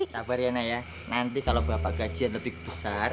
sabar riana ya nanti kalau bapak gajian lebih besar